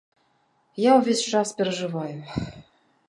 Я ўвесь час перажываю.